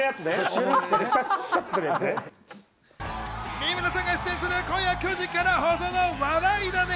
三村さんが出演する今夜９時から放送の『笑いダネ』。